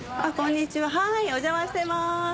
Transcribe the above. お邪魔してます。